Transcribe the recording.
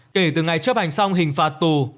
kể từ ngày chấp hành xong hình phạt tù